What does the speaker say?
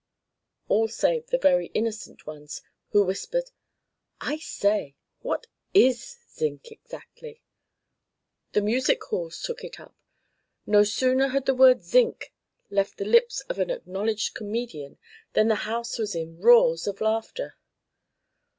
all save the very innocent ones, who whispered, "I say, what is zinc exactly?" The music halls took it up. No sooner had the word "Zinc" left the lips of an acknowledged comedian than the house was in roars of laughter.